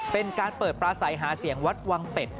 เป็นการเปิดปลาใสหาเสียงวัดวังเป็ด